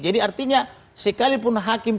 jadi artinya sekalipun hakim